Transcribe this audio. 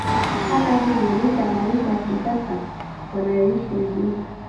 Hata hivyo licha ya maisha ya kisasa wanayoishi mjini